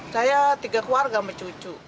saya tiga keluarga cuci